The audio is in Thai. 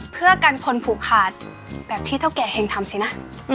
เพื่อกันคนผูกขาดแบบที่เท่าแก่เฮงทำสินะ